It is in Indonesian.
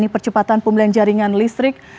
percepatan pembelian jaringan listrik